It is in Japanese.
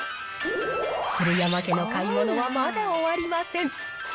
鶴山家の買い物は、まだ終わりません。